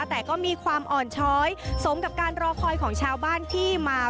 แต่ก็มีความอ่อนช้อยสมกับการรอคอยของชาวบ้านที่มา